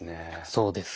そうです。